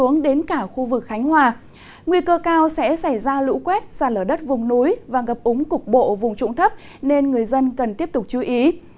nguy cơ cao sẽ xảy ra lũ quét xa lở đất vùng núi và ngập úng cục bộ vùng trụng thấp nên người dân cần tiếp tục chú ý